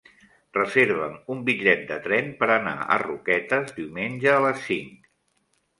Reserva'm un bitllet de tren per anar a Roquetes diumenge a les cinc.